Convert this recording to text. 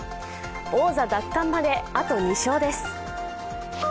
王座奪還まであと２勝です。